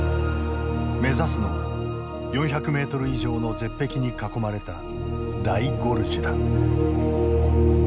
目指すのは４００ｍ以上の絶壁に囲まれた大ゴルジュだ。